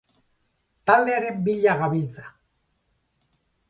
Taldearen bila gabiltza.